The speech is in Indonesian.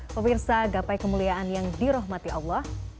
pemirsa gapai kemuliaan yang dirahmati allah